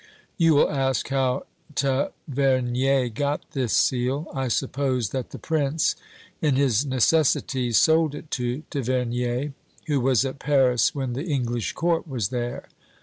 You will ask how Tavernier got this seal? I suppose that the prince, in his necessities, sold it to Tavernier, who was at Paris when the English court was there.